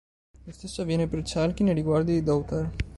Lo stesso avviene per Chalky nei riguardi di Daughter.